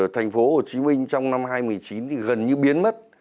thành phố hồ chí minh trong năm hai nghìn một mươi chín gần như biến mất